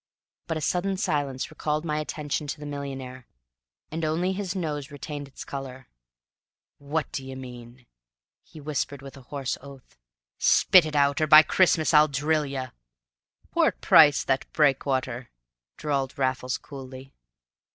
But a sudden silence recalled my attention to the millionaire. And only his nose retained its color. "What d'ye mean?" he whispered with a hoarse oath. "Spit it out, or, by Christmas, I'll drill you!" "Whort price thet brikewater?" drawled Raffles coolly.